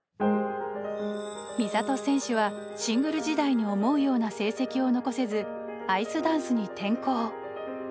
美里選手はシングル時代に思うような成績を残せずアイスダンスに転向。